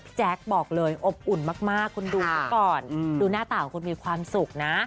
แจ๊คบอกเลยอบอุ่นมากคุณดูซะก่อนดูหน้าตาของคุณมีความสุขนะ